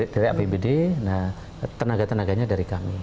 dari apbd tenaga tenaganya dari kami